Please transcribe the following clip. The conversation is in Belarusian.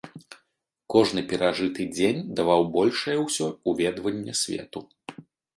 Кожны перажыты дзень даваў большае ўсё ўведванне свету.